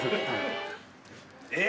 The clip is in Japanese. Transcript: え